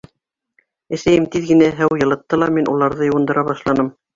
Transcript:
Әсәйем тиҙ генә һыу йылытты ла, мин уларҙы йыуындыра башланым.